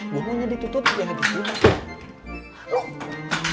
gua maunya ditutup jangan disini masuk